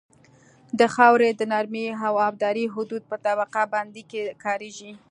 د خاورې د نرمۍ او ابدارۍ حدود په طبقه بندۍ کې کاریږي